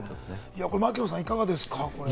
槙野さん、いかがですか？